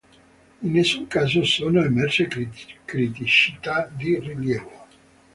In nessun caso sono emerse criticità di rilievo".